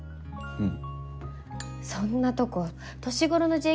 うん。